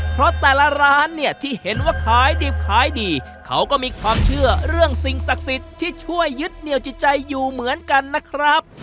เพราะแต่ละร้านเนี่ยที่เห็นว่าขายดิบขายดีเขาก็มีความเชื่อเรื่องสิ่งศักดิ์สิทธิ์ที่ช่วยยึดเหนียวจิตใจอยู่เหมือนกันนะครับ